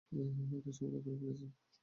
এটার সমাধান করে ফেলেছি।